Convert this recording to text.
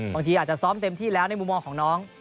บางทีอาจจะซ้อมเต็มที่แล้วในมุมมองของน้อง